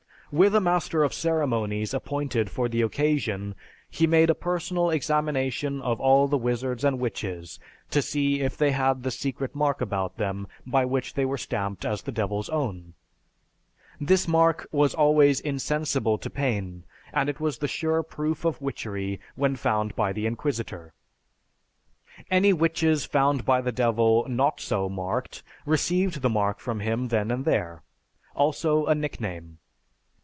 With a master of ceremonies appointed for the occasion, he made a personal examination of all the wizards and witches, to see if they had the secret mark about them by which they were stamped as the Devil's own. This mark was always insensible to pain, and it was the sure proof of witchery when found by the inquisitor. Any witches found by the Devil not so marked received the mark from him then and there, also a nickname.